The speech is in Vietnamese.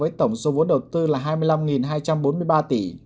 với tổng số vốn đầu tư là hai mươi năm hai trăm bốn mươi ba tỷ